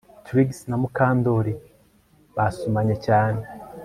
Trix na Mukandoli basomanye cyane